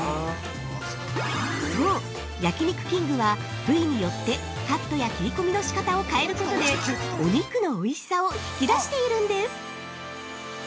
◆そう、焼肉きんぐは部位によって、カットや切り込みの仕方を変えることでお肉のおいしさを引き出しているんです。